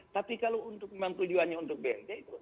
tapi kalau untuk memang tujuannya untuk blk itu